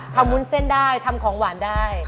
วุ้นเส้นได้ทำของหวานได้